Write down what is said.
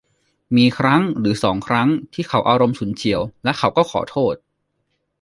มีครั้งหรือสองครั้งที่เขาอารมณ์ฉุนเฉียว แล้วเขาก็ขอโทษ